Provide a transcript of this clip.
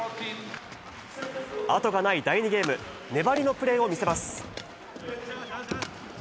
後がない第２ゲーム、粘りのプレーを見せます。